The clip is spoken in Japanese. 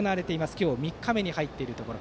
今日３日目に入っているところ。